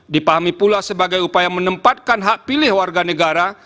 dipahami pula sebagai upaya menempatkan hak pilih warga negara